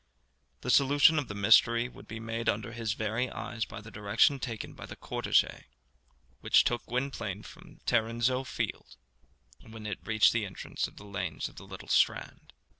The solution of the mystery would be made under his very eyes by the direction taken by the cortège which took Gwynplaine from Tarrinzeau Field when it reached the entrance of the lanes of the Little Strand.